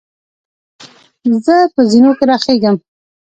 زۀ په زینو کې راخېږم.